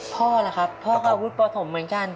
พ่อล่ะครับพ่อก็วุฒิประถมเหมือนกัน